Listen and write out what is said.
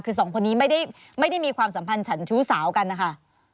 คือสองคนนี้ไม่ได้มีความสัมพันธ์ฉันชู้สาวกันนะคะ